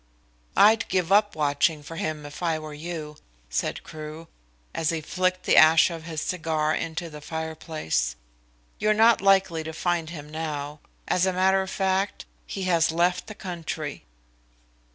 "I'd give up watching for him if I were you," said Crewe, as he flicked the ash of his cigar into the fireplace. "You're not likely to find him now. As a matter of fact, he has left the country."